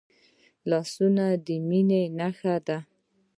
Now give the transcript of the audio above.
لاسونه د میننې نښه ده